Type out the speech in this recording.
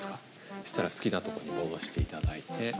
そしたら好きなとこに戻して頂いて。